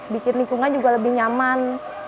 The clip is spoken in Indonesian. bikin lingkungan juga lebih nyaman